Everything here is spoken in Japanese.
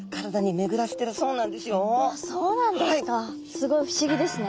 すごい不思議ですね。